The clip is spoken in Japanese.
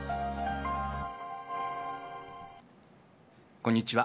こんにちは。